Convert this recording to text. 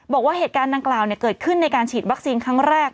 บอกว่าเหตุการณ์ดังกล่าวเกิดขึ้นในการฉีดวัคซีนครั้งแรก